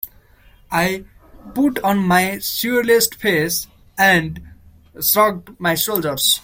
I put on my surliest face and shrugged my shoulders.